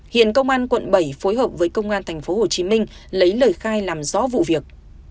hiện công an quận bảy phối hợp với công an tp hcm lấy lời khai làm rõ vụ việc